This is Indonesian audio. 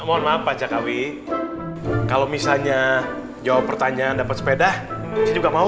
mohon maaf pak jakawi kalau misalnya jawab pertanyaan dapat sepeda saya juga mau